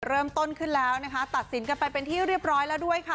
เริ่มต้นขึ้นแล้วนะคะตัดสินกันไปเป็นที่เรียบร้อยแล้วด้วยค่ะ